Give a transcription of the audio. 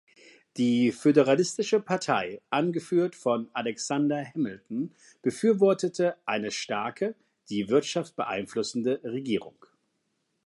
Die Föderalistische Partei, angeführt von Alexander Hamilton, befürwortete eine starke, die Wirtschaft beeinflussende, Regierung.